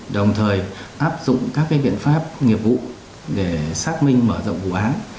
đồng thời áp dụng các biện pháp nghiệp vụ để xác minh mở rộng vụ án